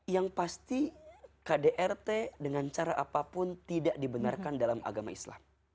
yang pasti kdrt dengan cara apapun tidak dibenarkan dalam agama islam